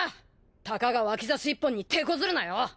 たかが脇差し一本にてこずるなよ。